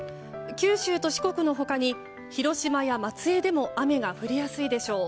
九州と四国のほかに広島や松江でも雨が降りやすいでしょう。